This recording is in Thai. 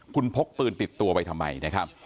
คุณพกปืนติดตัวไปทำไมนะครับ